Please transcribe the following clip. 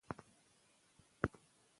که پیانو وي نو غږ نه ورکېږي.